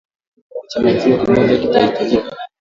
kikombe cha maziwa kimoja kitahitajika